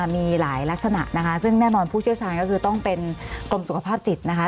มีหลายลักษณะนะคะซึ่งแน่นอนผู้เชี่ยวชาญก็คือต้องเป็นกรมสุขภาพจิตนะคะ